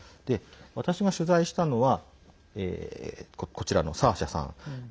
私が取材したのはこちらのサーシャさん。